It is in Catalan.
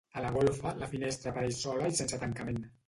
A la golfa, la finestra apareix sola i sense tancament.